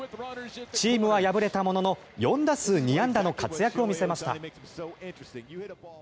チームは敗れたものの４打数２安打の活躍を見せました。